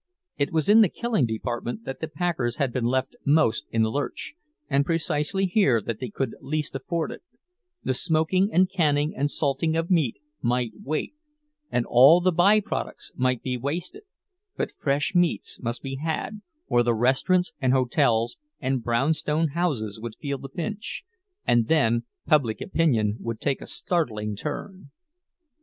It was in the killing department that the packers had been left most in the lurch, and precisely here that they could least afford it; the smoking and canning and salting of meat might wait, and all the by products might be wasted—but fresh meats must be had, or the restaurants and hotels and brownstone houses would feel the pinch, and then "public opinion" would take a startling turn.